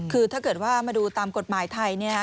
คือถ้าเกิดว่ามาดูตามกฎหมายไทย